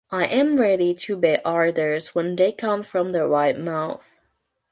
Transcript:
I am ready to obey orders when they come from the right mouth.